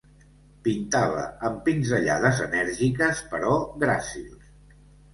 Pintava amb pinzellades enèrgiques però gràcils.